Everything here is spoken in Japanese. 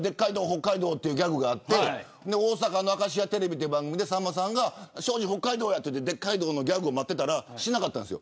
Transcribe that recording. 北海道っていうギャグがあって大阪の明石家テレビという番組でさんまさんがショージさんのギャグを待ってたらしなかったんです。